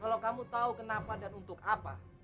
kalau kamu tahu kenapa dan untuk apa